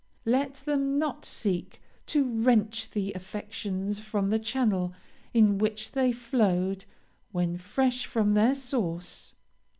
Let them not seek to wrench the affections from the channel in which they flowed, when fresh from their source.